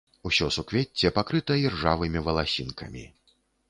Усё суквецце пакрыта іржавымі валасінкамі.